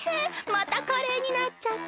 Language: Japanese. またカレーになっちゃった！